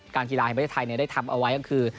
กีฬาแห่งประเทศไทยได้ทำเอาไว้ก็คือ